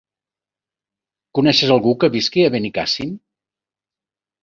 Coneixes algú que visqui a Benicàssim?